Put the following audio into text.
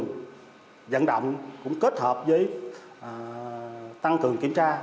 tăng cường dẫn động cũng kết hợp với tăng cường kiểm tra